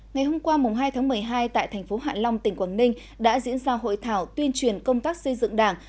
ngày hôm qua hai một mươi hai tại tp hạn long tỉnh quảng ninh đã diễn ra hội thảo tuyên truyền công tác xây dựng đảng